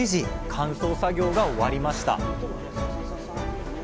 乾燥作業が終わりました